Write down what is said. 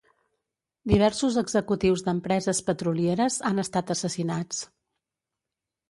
Diversos executius d'empreses petrolieres han estat assassinats.